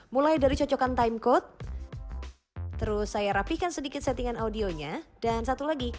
mulai dari cocokan timecode seru saya rapikan sedikit settingan audionya dan satu lagi